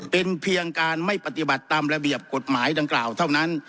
เป็นเพียงการไม่ปฏิบัติตามระเบียบกฎหมายดังกล่าวเท่านั้น